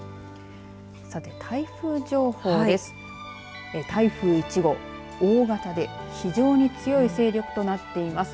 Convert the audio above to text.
さて、台風情報です。